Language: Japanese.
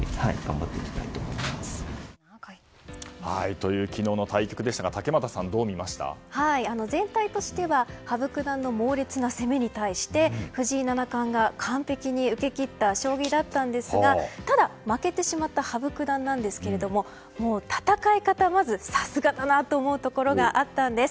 という昨日の対局でしたが全体としては羽生九段の猛烈な攻めに対して藤井七冠が完璧に受け切った将棋だったんですがただ、負けてしまった羽生九段ですが戦い方でさすがだなと思うところがあったんです。